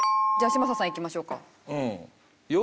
じゃあ嶋佐さんいきましょうか。